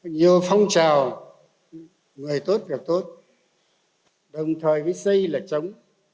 nhiều phong trào người tốt việc tốt đồng thời với xây là chống